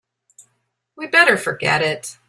We'd better forget it.